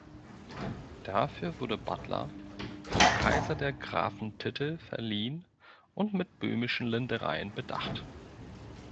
Dafür wurde Butler vom Kaiser der Grafentitel verliehen und mit böhmischen Ländereien bedacht.